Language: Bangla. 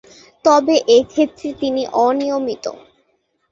তবে এক্ষেত্রে তিনি অনিয়মিত।